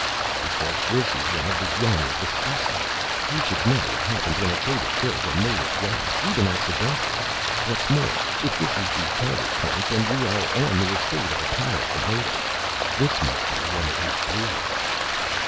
"Because this is one of the young of the species. You should know what happens when a trader kills a native young, even accidentally. What's more, if this is the target point, then we are on the estate of a powerful native. This might be one of his brood."